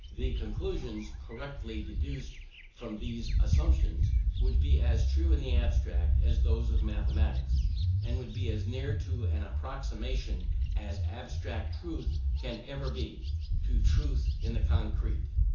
The conclusions correctly deduced from these assumptions, would be as true in the abstract as those of mathematics; and would be as near an approximation as abstract truth can ever be, to truth in the concrete.